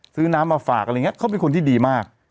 ซื้อน้ำมาฝากอะไรอย่างนี้เขาเป็นคนที่ดีมาก